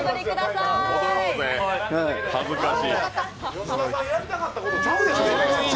吉田さん、やりたかったことちゃうでしょ。